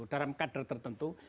dalam kader tertentu